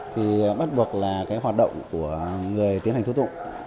thì bắt buộc là cái hoạt động của người tiến hành tố thụ